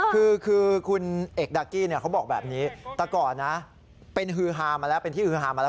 คือคุณเอกดาร์กี้เนี่ยเขาบอกแบบนี้แต่ก่อนนะเป็นที่ฮือฮามาแล้ว